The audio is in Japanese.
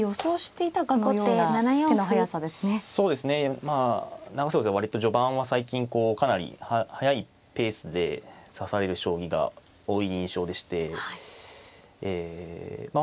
まあ永瀬王座割と序盤は最近こうかなり速いペースで指される将棋が多い印象でしてまあ